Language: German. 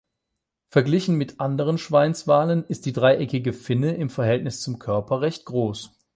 Verglichen mit anderen Schweinswalen ist die dreieckige Finne im Verhältnis zum Körper recht groß.